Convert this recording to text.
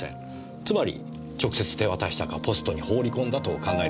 つまり直接手渡したかポストに放り込んだと考えるべきでしょうね。